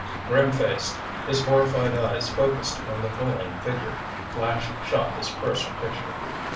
Grim faced, his horrified eyes focused upon the falling figure, Flash shot his first picture.